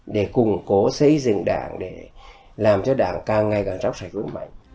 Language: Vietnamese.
để củng cố xây dựng đảng để làm cho đảng càng ngày càng rắc rạch rắc rối mạnh